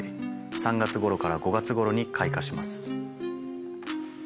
３月ごろから５月ごろに開花します。